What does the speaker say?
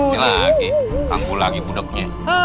ini lagi tangguh lagi pudeknya